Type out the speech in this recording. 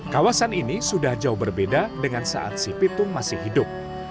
kawasan ini sudah jauh berbeda dengan saat si pitung masih hidup